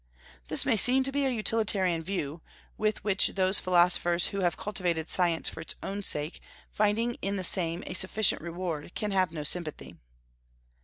This may seem to be a utilitarian view, with which those philosophers who have cultivated science for its own sake, finding in the same a sufficient reward, can have no sympathy.